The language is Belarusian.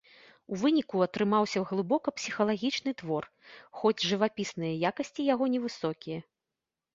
У выніку атрымаўся глыбока псіхалагічны твор, хоць жывапісныя якасці яго невысокія.